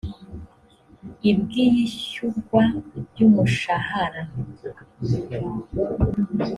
ibw iyishyurwa ry umushahara